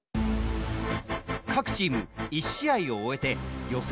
各チーム１試合を終えて予選